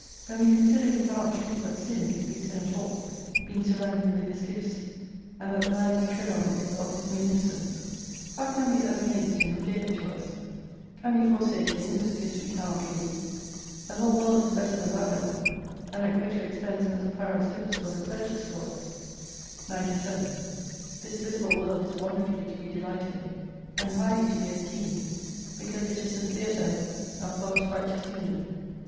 When we consider we cannot choose but sin, if we sin at all, being surrounded with His gifts ; and that the land we tread on is of His munificence : how can we err against Him who gave it to us ? Can we forsake Him, whose gifts we cannot leave ? The whole world is better than Babylon ; and at greater expense than Zopyrus' lips was it purchased for us. 97 This visible World is wonderfully to be delighted in, and highly to be esteemed, because it is the theatre of ISO God's righteous Kingdom.